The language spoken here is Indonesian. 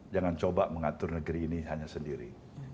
jangan coba mengatur negeri ini hanya sendiri